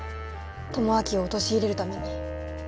智明を陥れるために。